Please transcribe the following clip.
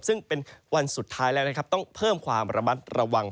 ซึ่งเป็นวันสุดท้ายแล้วนะครับต้องเพิ่มความระมัดระวัง